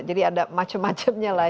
jadi ada macam macamnya lah